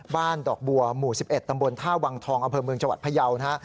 ดอกบัวหมู่๑๑ตำบลท่าวังทองอำเภอเมืองจังหวัดพยาวนะฮะ